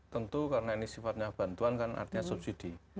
tentu karena ini sifatnya bantuan kan artinya subsidi